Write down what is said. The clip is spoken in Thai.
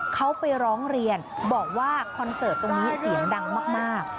เขาไปร้องเรียนบอกว่าคอนเสิร์ตตรงนี้เสียงดังมาก